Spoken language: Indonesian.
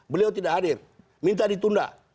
beliau tidak hadir minta ditunda